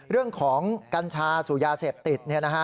เรื่องของกัญชาสุยาเสพติด